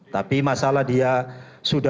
tapi masalah dia sudah